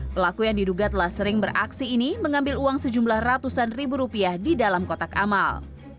pelaku yang diduga telah sering beraksi ini mengambil uang sejumlah ratusan ribu rupiah di dalam kotak amal